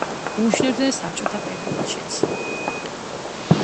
უშვებდნენ საბჭოთა პერიოდშიც.